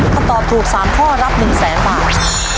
ถ้าตอบถูกสามข้อรับหนึ่งแสนบาท